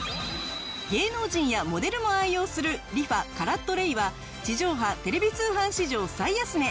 芸能人やモデルも愛用するリファカラットレイは地上波テレビ通販史上最安値。